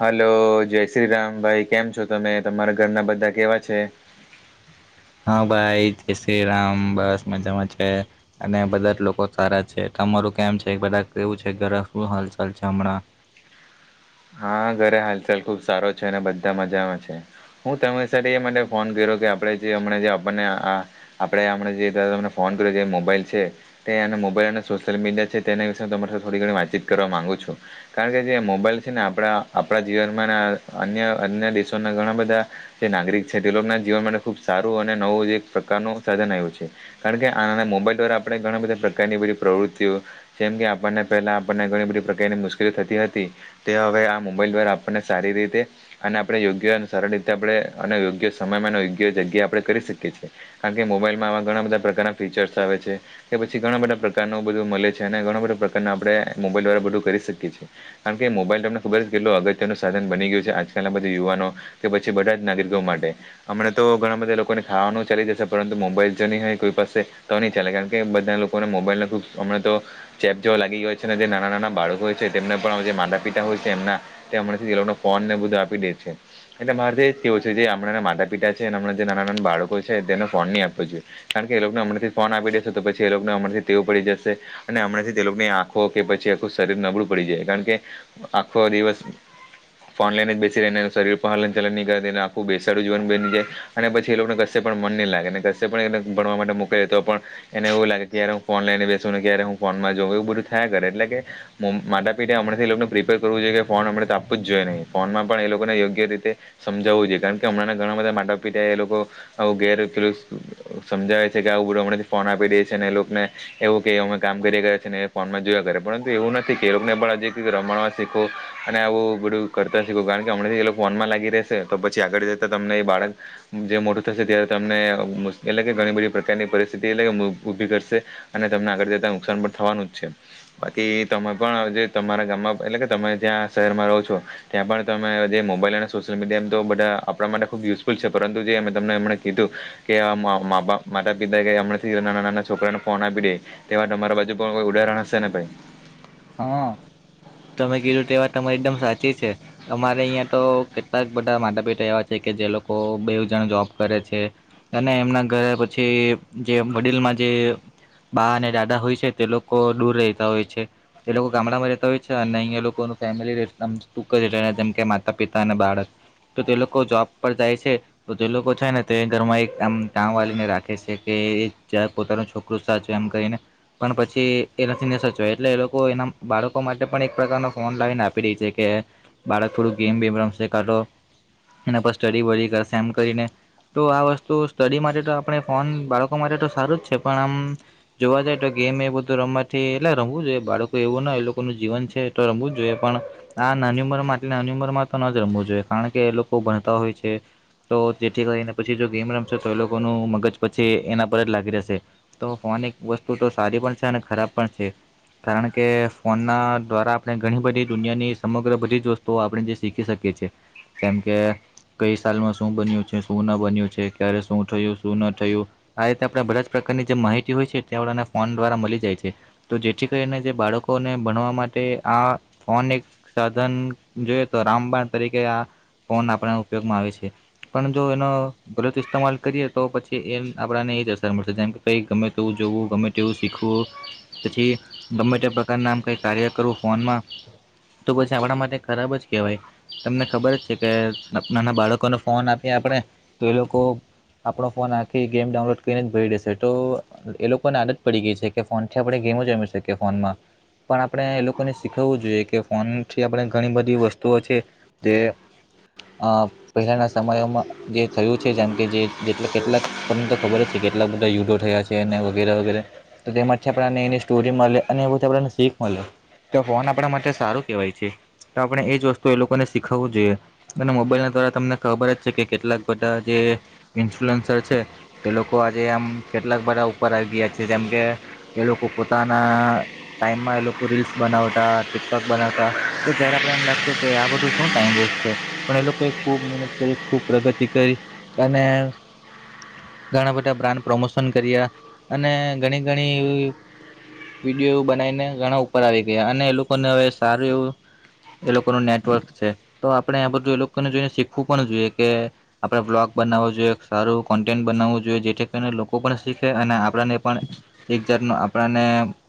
હાલો જય શ્રી રામ ભાઈ કેમ છો તમે તમારા ઘરના બધા કેવા છે? હા ભાઈ જય શ્રી રામ બસ મજામાં છે. અને બધા જ લોકો સારા છે, તમારું કેમ છે, બધા કેવું છે, ઘરે શું હાલચાલ છે, હમણાં? હા ઘરે હાલચાલ ખુબ સારો છે, અને બધા મજામાં છે. હું તમે સાથે એ માટે ફોન કર્યો કે આપણેે જે હમણાં જે આપણને આ આપડે હમણા જે તમને ફોન કર્યો છે, જે મોબાઈલ છે. તે અને મોબાઈલ અને સોશિયલ મીડિયા છે, તેના વિશે હું તમારી થોડી ઘણી વાતચીત કરવા માંગુ છું. કારણ કે જે મોબાઈલ છે, ને આપણા આપણા જીવનમાં અન્ય અન્ય દેશોના ઘણા બધા જે નાગરિક છે, તે લોકોના જીવન માટે ખુબ સારું અને નવું એક પ્રકારનું સાધન આવ્યું છે. કારણ કે આનાના મોબાઈલ દ્વારા આપણે ઘણા બધા પ્રકારની બધી પ્રવૃત્તિઓ જેમ કે આપણને પહેલા આપણને ઘણી બધી પ્રકારની મુશ્કેલી થતી હતી તે હવે આ મોબાઈલ દ્વારા આપણને સારી રીતે અને આપણે યોગ્ય અને સરળ રીતે આપણે અને યોગ્ય સમયમાં અને યોગ્ય જગ્યા આપણે કરી શકીએ છે. કારણ કે મોબાઈલમાં આવા ઘણા બધા પ્રકારના ફીચર્સ આવે છે. કે પછી ઘણા બધા પ્રકારનું બધું મલે છે, અને ઘણા બધા પ્રકારના આપણે મોબાઈલ દ્વારા બધું કરી શકીએ કારણ કે મોબાઈલ તમને ખબર કેટલ અગત્યનું સાધન બની ગયું છે, આજકાલના બધા યુવાનો કે પછી બધા જ નાગરિકો માટે અમણા તો ઘણા બધા લોકોને ખાવાનું ચાલી જશે પરંતુ મોબાઈલ જ નહીં હોય કોઈ પાસે તો ની ચાલે કારણ કે બધા લોકોને મોબાઈલને ખુબ હમણાં તો ચેપ જોવા લાગી ગયો છે, ને જે નાના નાના બાળકો હોય છે, તેમને પણ [unintelligible] માતા પિતા હોય છે, એમના તે હમણે થી જ એલોકને ફોન ને બધું આપી દે છે. એટલે મારે જે તેવું છે જે હણાં માતા પિતા છે અને હણાં જે નાના નાના બાળકો છે તેને ફોન નહીં આપવો જોઈએ. કારણ કે એ લોકો ને હમણાંથી ફોન આપી દેશે તો પછી એ લોકોને હમણાંથી ટેવ પડી જશે. અને હમણાંથી તેની આંખો કે પછી આખું શરીર નબળું પડી જાય કારણ કે આખો દિવસ ફોન લઈન જ બેસી રહેને એ શરીર પર હલનલનહી કરે એને આખું બેસાડું જીવન બની જાય. અને પછીએ લોકોને કશે પણ મન નહી લાગે ને ક પણ એને ભણવા માટે મોકલી તો પણ. એને એવું લાગે કે યાર હું ફોન લઈને બેસું ને ક્યારે હું ફોનમાં જોઉં એવું બધું થયા કરે એટલે કે માતા પિતાએ હમણાંથી પ્રિપેર કરવું જોઈએ કે ફોન અ મળણે તો આપવું જ જોઈએ નહીં ફોનમાં પણ એ લોકોને યોગ્ય રીતે. સમજાવવું જોઈએ કારણ કે હમણાં ઘણા બધા માતા પિતા એ લોકો આવું ગેર સમજાવે છે કે આ આવું બધું હમણાંથી ફોન આપી દે છે ને એ લોકોને એવું કે અમે કામ કરી ગયા છે ને ફોન માં જોયા કરે પરંતુ એવું નથી કે લોકને પણ હજી રમવા શીખો અને આવું બધું કરતા શીખું કારણ કે હમણાંથી એ લોકો ફોનમાં લાગી રહેશે તો પછી આગળ જતા તમને એ બાળક જે મોટું થશે ત્યારે તમને એટલે કે ઘણી બધી પ્રકારની પરિસ્થિતિ એટલે ઉભી કરશે. અને તમને આગળ જતા નુકસાન પણ થવાનું જ છે બાકી તમે પણ જે તમારા ગામમાં એટલે કે તમે ત્યાં શહેરમાં રહો છો. ત્યાં પણ તમે જે મોબાઈલ અને સોશિયલ મીડિયા એમ તો બધા આપણા માટે ખુબ યુઝફુલ છે પરંતુ જે તમને એમણે કીધું કે માતા પિતા કે હમણાંથી નાના નાના છોકરાને ફોન આપી દે. તેવા તમારા બાજુ પણ કોઈ ઉદાહરણ હશે ને ભાઈ. હા [inaudible] તમે કીધું તેવા તમારી એકદમ સાચી છે. અમારે અહિયાં તો કેટલાક બધા માતા પિતા એવા છે કે જે લોકો બે જણ જોબ કરે છે. અને એમના ઘરે પછી જે વડીલમાં જે બા અને દાદા હોય છે તે લોકો દૂર રહેતા હોય છે. એ લોકો ગામડામાં રહેતા હોય છે અને અહીંયા લોકો ફેમલી ટક જ જેમ કે માતા પિતા અને બાળક તો તે લોકો જોબ પર જાય છે. તો તે લોકો છે ને તે ઘરમાં એક આમ કામવાળીને રાખે છે કે પોતાનો છોક છોકરો સાચ એમ કરીને પણ પછી એ ને સચવા એટલે એ લોકો એના બાળકો માટે પણ એક પ્રકારનો ફોન લાવીને આપી રહી છે કે બાળક થોડું ગેમ બેેમ રમશે કરો એના પર સ્ટડી બડી કરશે એમ કરીને. તો આ વસ્તુ સ્ટડી માટે તો આપણે ફોન બાળકો માટે તો સારું જ છે પણ આમ જોવા જાય તો ગેમ એ બધું રમવાથી એલા રમવું જો બાળકો એવું ના એ લોકોનું જીવન છે એ તો રમવું જ જોઈએ પણ આ નાની ઉંમર માં એટલે નાની ઉંમર માં તો ન જ રમવું જોઈએ કારણ કે એ લોકો ભણતા હોય છે. તો જેથી કરીને પછી જો ગેમ રમશે તો એ લોકોનું મગજ પછી એના પર જ લાગી રહેશે. તો ફોન એક વસ્તુ તો સારી પણ છે અને ખરાબ પણ છે કારણ કે ફોન ના દ્વારા આપણે ઘણી બધી દુનિયાની સમગ્ર બધી જ વસ્તુઓ આપણે જે શીખી શકીએ છીએ. જેમ કે. કઈ સાલમાં શું બન્યું છે શું ના બન્યું છે ક્યારે શું થયું શું ના થયું. આ રીતે આપણે બધા જ પ્રકારની જે માહિતી હોય છે તે આપને ફોન દ્વારા મળી જાય છે તો જેથી કરીને જે બાળકોને ભણવા માટે આ ફોન એક સાધન જોય તો રામબાણ તરીકે આ ફોન આપ ઉપયોગમાં આવે છે. પણ જો એનો ગલત ઇસ્તેમાલ કરીએ તો પછી એ આપડને એ જ અસર મળશે જેમ કે ક ગમે તેું જોવું ગમે. તેવું શીખવું પછી ગમ્પ્યુટર પ્રકારના આમ કઈ કાર્ય કરવું ફોનમાં તો પછી આપણા માટે ખરાબ જ કહેવાય. તમને ખબર જ છે કે નાના બાળકોને ફોન આપીએ આપણે તો એ લોકો આપણો ફોન આખો ગેમ ડાઉનલોડ કરીને ભરી દેશે તો એ લોકોને આદત પડી ગઈ છે. કે ફોનથી આપણે ગેમ જમી શકીએ ફોનમાં. પણ આપણે એ લોકોને શીખવવું જોઈએ કે ફોન થી આપણે ઘણી બધી વસ્તુઓ છે. તે અ પહેલાના સમયોમાં જે થયું છે જેમ કે જે કેટલાક તમને તો ખબર જ છે કેટલાક બધા યુદ્થયા છે અને વગેરે વગેરે તો તેમાંથી પણને એની સ્ટોરી મલે અને એ બધું આપને શીખ મળે તો ફોન આપણા માટે સારું કેહેવાય છે. તો આપણે એજ વસ્તુ એ લોકોને શીખવવું જોઈએ. અને મોબાઈલ ના દ્વારા તમને ખબર જ છે કે કેટલાક બધા જે ઇન્ફ્લુઅન્સર છે. એ લોકો આજે આમ કેટલાક બધા ઉપર આવી ગયા છે જેમ કે એ લોકો પોતાના ટાઈમમાં એ લોકો રીલ્સ બનાવતા ટીકટોક બનાવતા તો જયારે આપડે એને લાગતું કે આ બધું શું ટાઈમ વેસ્ટ છે. પણ એ લોકોએ ખૂબ મહેનત કરી ખૂબ પ્રગતિ કરી અને ઘણા બધા બ્રાન્ડ પ્રમોશન કર્યા અને ઘણી ઘણી એવી વિડીયો એવ બનાવીને ઘણા ઉપર આવી ગયા અને એ લોકોને હવે સારું એવું એ લોકો ન નેટવર્ક છે તો આપડણે આ બધું એ લોકોને જોઈને શીખવું પણ જોઈએ કે આપડે બ્લોગ બનાવ જોઈએ સારું કોન્ટેન્ટ બનાવવું જોઈએ જેથી કરીને લોકો પણ શીખે અને આપને પણ એક જાત ન આપણાને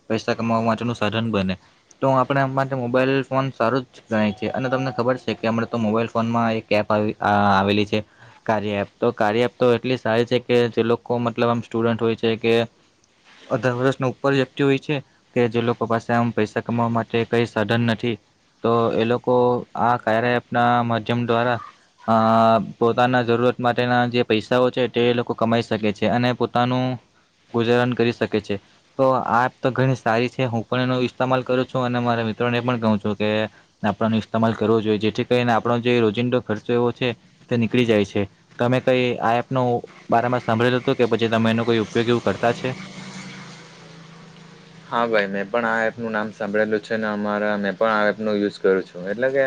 પૈસા કમાવા માટેનું સાધન બને. તો આપણે આમ માટે મોબાઈલ ફોન સારું જ ગણાય છે અને તમને ખબર છે કે હમણા તો મોબાઈલ ફોનમાં એક એપ આવેલી છે. કાર્ય એ તો કાર્ય એ તો એટલી સારી છે કે જે લોકો મતલબ આમ સ્ટુડન્ટ હોય છે. કેે અધર વર્ષના ઉપર વ્યક્તિ હોય છે. કે જે લોકો પાસે આમ પૈસા કમાવા માટે કઈ સાધન નથી. તો એ લોકો આ ક આપના માધ્યમ દ્વારા અ પોતાના જરૂરત માટેના જે પૈસાઓ છે તે લોકો કમાઈ શકે છે. અને પોતાનું ગુજારન કરી શકે છે તો આ તો ઘણી સારી છે હું પણ એનો ઇસ્તેમાલ કરું છું અને મારા મિત્રોને એ પણ કહું છું કે આપને ઇસ્માલ કરવો જોઈએ જેથી કરીને આપણો જે રોજિંદો ખર્ચો એવો છે તે નીકળી જાય છે. તમે કઈ આ એપ ન બારમાં સાંભળેલું હતું કે પછી તમે એનો કઈ ઉપયોગ એવું કરતા છે. હા ભાઈ મેં પણ આ એપનું નામ સાંભળેલું છે ને અમારા મેં પણ આ એપનો યુઝ કરું છું એટલે કે.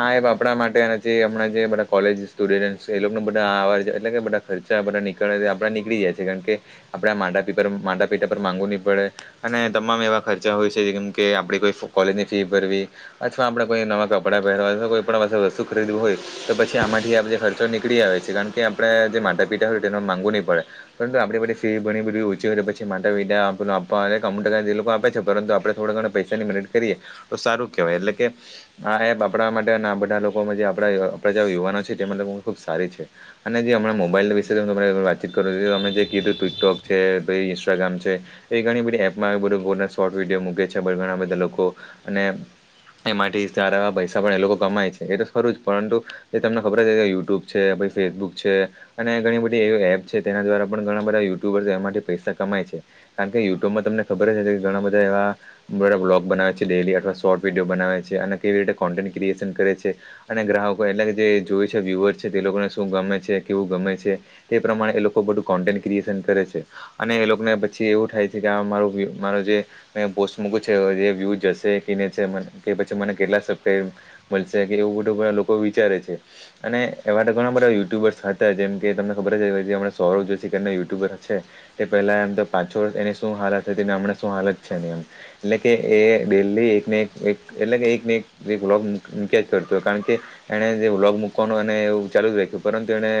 આ એ આપણા માટે જે હમણા જે બધા કોલેજ સ્ટુડન્ટ એ લોકો બધા અવા એટલે કે બધા ખર્ચા આપ નીકળે આપણા નીકળી જાય છે કારણ કે આપણે માા માટા પીટા પર માંગુ ની પડે અને તમામ એવા ખર્ચા હોય છે જેમ કે આપણે કોઈ કોલેજની ફી ભરવી અથવા આપણે કોઈ નવા કપડાં પહેરવા કોઈ પણ પા વસ્તુ ખરીદવું હોય. તો પછી આમાંથી આપે ખર્ચો નીકળી આવે છે કારણ કે આપણે જે માતા પિતા હોય તેનું માગુ નહી પડે પરંતુ આપણી પધી ફ ભણી બધી ઓછી હોય તો પછી માતા પિ આપ આપવા ટકા એ લોકો આપે છે પરંતુ આપડણે થોડા ઘણા પૈસાની મેરટ કરીએ તો સારું કેહેવાય એટલે કે આ એપ આપણા માટેના બધા લોકો જે આપણા આપણા જે યુવાનો છે તે લોકો ખુબ સારી છે. અને જે હમં મોબાઈલ વિશે વાતચીત કરું છું તમે જે કીધું ટિકટોક છે ઇન્સ્ટાગ્રામ છે. એ ઘણી બધી એપમાં બધ શોર્ટ વિડીયો મૂકે છે ઘણા બધા લોકો અને એમાંથી તારાવા પૈસા પણ એ લોકો કમાય છે એ તો ખરું જ પરંતુ એ તમને ખબર છે કે યુટ્યુબ છે ફેસબુક છે. અને ઘણી બધી એવી એપ છે તેના દ્વારા પણ ઘણા બધા યુટ્યુબર એમાંથી પૈસા કમાય છે. કારણ કે યુટ્યુબમાં તમને ખબર છે કે ઘણા બધા એવા બા બ્લોગ બનાવે છે ડેલી અથવા શોર્ટ વિડીિયો બનાવે છે અને કેવી રીતે કોન્ટેન્ટ ક્રિએશન કરે છે. અને ગ્રાહકો એટલે કે જે જોય છે વ્યુઅર્સ છે તે લોકોને શું ગમે છે કેવું ગમે છે. તે પ્રમાણે એ લોકો બધું કોન્ટેન્ટ ક્રિએશન કરે છે અને એ લોકોને પછી એવું થાય છે કે આ મારું મારો જે મે પોસ્ટ મૂક છે વ્યુ જશે ક પછી મને કેટલા મળશે કે એવું બધું બધા લોકો વિચારે છે. અને એવા તો ઘણા બધા યુટ્યુબર્સ હતા જેમ કે તમને ખબર જ કે જેમ સૌરભ જોશી યુટ્યુબર હ છે. તે પહેલા એમ તો પાછો એની શું હાલત હતી હમણાં શું હાલત છે ને એમ એટલે કે એ દેહી એકને એક એટલે કે એક એક એક લોક મૂક્યા જ કરતો કારણ કે એને જે વ્લોગ મૂકવાનો અને એવું ચાલુ જ રાખ્યું પરંતુ એને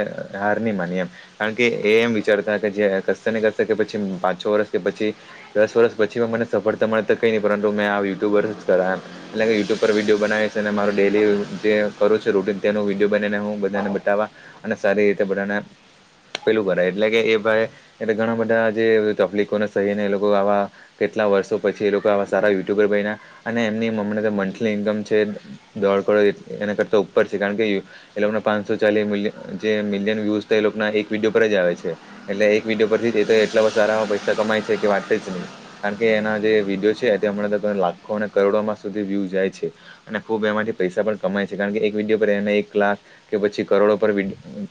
હાર નહી માની એમ. કારણ કે એ એમ વિચારતા કે જે કશે ને કરશે કે પછી પાંચ છ વર્ષ કે પછી દસ વર્ષ પછી મને સફળતા મળે તો કઈ નહી પરંતુ મેં આ યુટ્યુબર [unintelligible] એટલે કે યુટ્યુબ પર વિડીયો બનાવે છે અને મારું ડેલી જે કરું છે રૂટિન તેનો વિડીયો બનીને હું બધાને બતાવવા. અને સારી રીતે બધાના પેલું કર એટલે કે એ ભાઈ એલે ઘણા બધા જે તકલીફો અને સહીને એ લોકો આવા કેટલા વર્ષો પછી એ લોકો સારા યુટ્યુબર બને અને એમની મમ્મને મંથલી ઇન્કમ છે. દોઢ કરોડ એના કરતા ઉપર છે કારણ કે એ લોકોના પાંચસો ચાલીસ મલ જે મિલિયન વ્યુઝ એના એક વિડીયો પર જ આવે છે. એટલે એક વિડીયો પરથી જ તો એટલા બધા સારામાં પૈસા કમાય છે કે વાતજ નહી. કારણ કે એના જે વિડીયો છે હમણાં તો લાખો અને કરોડોમાં સુધી વ્યુ જાય છે. અને ખુબ એમાંથી પૈસા પણ કમાય છે કારણ કે એક વિડીયો પર એને એક લાખ કે પછી કરોડો પર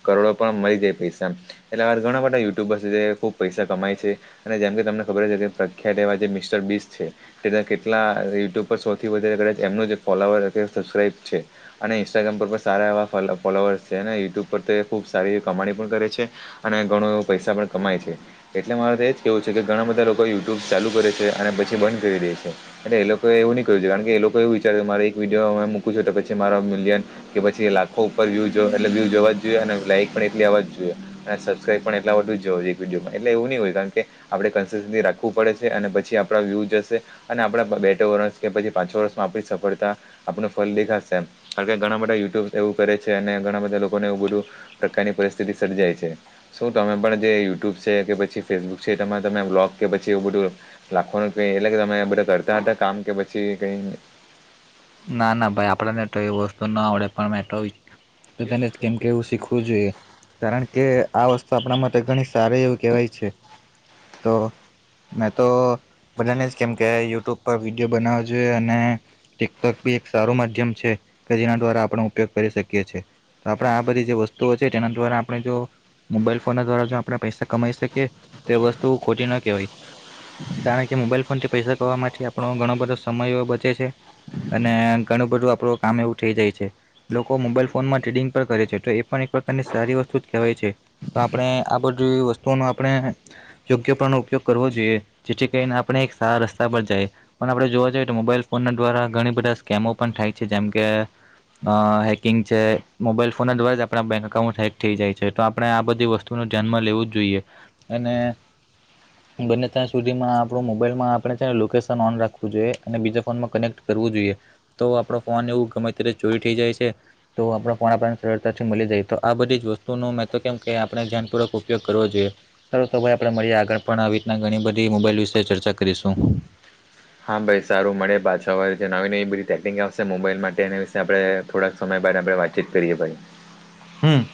કરોડો પર મળી જાય પૈસા એટલે આ ઘણા બધા યુટ્યુબર્ છે જે ખુબ પૈસા કમાય છે અને જેમ કે તમને ખબર છે કે પ્રખ્યાત એવા જે મિસ્ટર બીસ છે. તે કેટલા યુટ્યુબ પર સૌથી વધારે એમનું ફોલોવર સબસ્ક્રાઈબ છે. અને ઇન્સ્ટાગ્રામ પર પણ સારા એવા ફોલોવર્સ છેને યુટ્યુબ પર તો ખુબ સારી એવી કમાણી પણ કરે છે. અને ઘણો એવો પૈસા પણ કમાય છે એટલે મારે તેજ કેવું છે. કે ઘણા બધા લોકો યુટ્યુબ ચાલુ કરે છે અને પછી બંધ કરી દે છે. એટલે એ લોકોએ એવું નહીં કર્યું છે કારણ કે એ લોકો એવું વિચાર કે મારે એક વિડીયો અમે મૂકું છું તો પછી મારો મિલિયન કે પછી લાખો ઉપર વ્યુ એટલે વ્યૂ જોવા જ જોઈએ અને લાઈક પણ એટલી આવવા જ જોઈએ. સબસ્ક્રાઈબ પણ એટલા બધું જ જો વ વિડીયોમાં એટલેવું નઈ હોય કારણ કે આપણે કન્સિસસી રાખવું પડે છે અને પછી આપણા વ્યૂ જશે અને આપણા બે ત્રણ વર્ષ કે પછી પાંચ વર્ષમાં આપણી સફળતા આપણું ફળ દેખાશે કારણ કે ઘણા બધા યુટ્યુબ એવું કરે છે અને ઘણા બધા લોકોને એવું બધું પ્રકારની પરિસ્થિતિ સર્જાય છે શું તમે પણ જે યુટ્યુબ છે કે પછી ફેસબુક છે. તમા તમે બ્લોગ કે પછી એવું બધું લાખોનું એટલે કે તમે બધા કરતા હતા કામ કે પછી કઈ ના ના ભાઈ આપેને વસ્તુ ના આવડે પણ મેં તો તો તને કેમ કેવું શીખવું જોઈએ. કારણ કે આ વસ્તુ આપણા માટે ઘણી સારી એવું કહેવાય છે તો મેં તો બધાને જ કેમ કે યુટ્યુબ પર વિડીયો બનાવો જોઈએ અને ટિકટોક બી એક સારું માધ્યમ છે કે જેના દ્વારા આપણે ઉપયોગ કરી શકીએ છીએ. તો આપણે આ બધી જે વસ્તુઓ છે તેના દ્વારા આપણે જો મોબાઈલ ફોન દ્વારા જો આપણે પૈસા કમાઈ શકીએ તો એ વસ્તુ ખોટી ના કહેવાય. કારણ કે મોબાઈલ ફોનથી પૈસા કરવા માટેથી આપણો ઘણો બધો સમય બચે છે. અને ઘણું બધું આપડું કામ એવું થઇ જાય છે. લોકો મોબાઈલ ફોનમાં ટ્રેડિંગ પર કરે છે તો એ પણ એક પ્રકારની સારી વસ્તુ જ કહેવાય છે. તો આપણે આ બધી વસ્તુઓનું આપણે યોગ્ય પ્રનો ઉપયોગ કરવો જોઈએ જેથી કરીને આપણે એક સારા રસ્તા પર જાય. પણ આપડણે જોવા જઈએ તો મોબાઈલ ફોન દ્વારા ઘણી બધા સ્કેમો પણ થાય છે જેમ કે અ હેકિંગ છે મોબાઈલ ફોન દ્વારા જ આપણા બેંક અઉન્ટ હેક થઈ જાય છે તો આપણે આ બધી વસ્તુ ધ્યાનમાં લેવું જ જોઈએ અને [inaudible] બંને ત્યાં સુધીમાં આપણો મોબાઈલમાં આપણે છેને લોકેશન ઓન રાખવું જોઈએ અને બીજા ફોનમાં કનેક્ટ કરવું જોઈએ. તો આપણો ફોન એવું ગમે ત્યારે ચોરી થઈ જાય છે. તો આપણો પણ આપણને સરળતાથી મળી જાય તો આ બધી જ વસ્તુનો મેં તો કેમ કે આપણે ધ્યાન પૂર્વક ઉપયોગ કરવો જોઈએ. ચાલો તો ભાઈ આપણે મળીએ આગળ પણ આવી રીતના ઘણી બધી મોબાઈલ વિશે ચર્ચા કરીશું. હા ભાઈ સારું મળે પાછળવાળ જે નવી ન એવી બધી પટેકિંગ આવશે મોબાઈલ માટે એના વિશે આપણે થોડાક સમય બાદ આપણે વાતચીત કરીએ ભાઈ હમ.